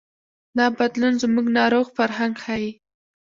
دا بدلون زموږ ناروغ فرهنګ ښيي.